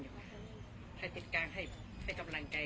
บอกว่าขอโทษผิดต้องใช้คำแหลกนะ